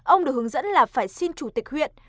ông được hướng dẫn là phải xin chủ tịch huyện